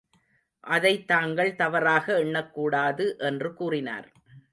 அதைத் தாங்கள் தவறாக எண்ணக் கூடாது என்று கூறினார்.